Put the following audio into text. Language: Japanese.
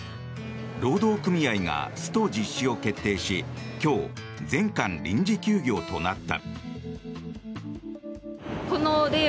労働組合がスト実施を決定し今日、全館臨時休業となった。